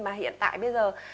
mà hiện tại bây giờ